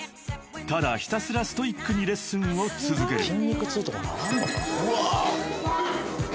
［ただひらすらストイックにレッスンを続ける］